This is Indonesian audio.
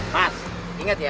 mas ingat ya